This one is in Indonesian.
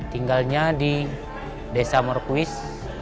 tinggalnya di desa murakuis